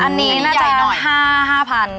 อันนี้น่าจะ๕๐๐๐บาท